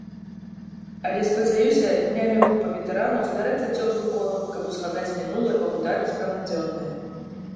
Але, спадзяюся, днямі група ветэранаў збярэцца цёплым колам, каб узгадаць мінулае, пагутарыць пра надзённае.